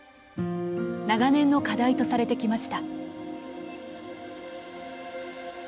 長年の課題とされてきました。